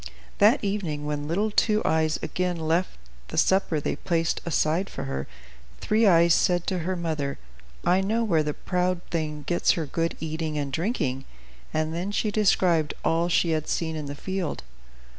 That evening, when little Two Eyes again left the supper they placed aside for her, Three Eyes said to her mother, "I know where the proud thing gets her good eating and drinking;" and then she described all she had seen in the field.